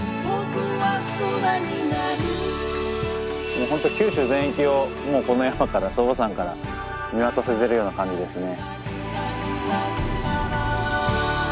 もう本当九州全域をもうこの山から祖母山から見渡せてるような感じですね。